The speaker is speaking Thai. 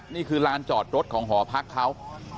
นี่คือลานจอดรถของหอพักเขา